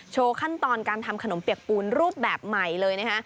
ขั้นตอนการทำขนมเปียกปูนรูปแบบใหม่เลยนะคะ